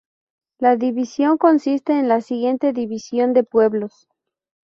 La división consiste en la siguiente división de pueblos.